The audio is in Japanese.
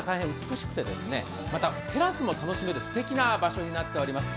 テラスも楽しめるすてきな場所になっております。